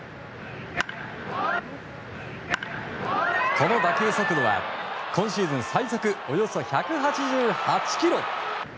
この打球速度は今シーズン最速およそ１８８キロ。